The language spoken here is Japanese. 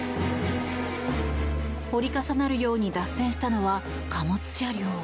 折り重なるように脱線したのは貨物車両。